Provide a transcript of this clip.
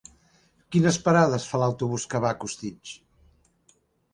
Quines parades fa l'autobús que va a Costitx?